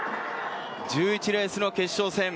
１１レースの決勝戦。